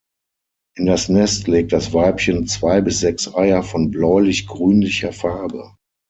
In das Nest legt das Weibchen zwei bis sechs Eier von bläulich-grünlicher Farbe.